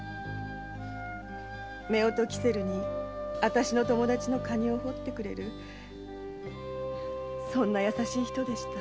夫婦煙管にあたしの友だちのカニを彫ってくれるそんな優しい人でした。